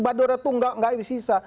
badora itu tidak bisa